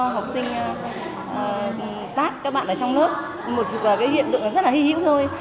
học sinh tát các bạn ở trong lớp một cái hiện tượng rất là hy hữu thôi